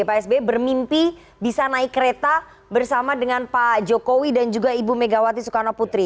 pak sby bermimpi bisa naik kereta bersama dengan pak jokowi dan juga ibu megawati soekarno putri